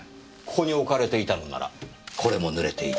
ここに置かれていたのならこれも濡れていたはず。